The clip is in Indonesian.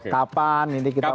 kapan ini kita urusan